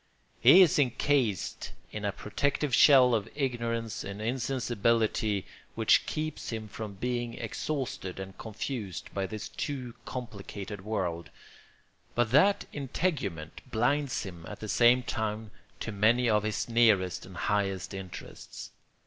He is encased in a protective shell of ignorance and insensibility which keeps him from being exhausted and confused by this too complicated world; but that integument blinds him at the same time to many of his nearest and highest interests.